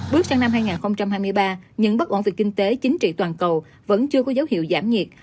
bước sang năm hai nghìn hai mươi ba những bất ổn về kinh tế chính trị toàn cầu vẫn chưa có dấu hiệu giảm nhiệt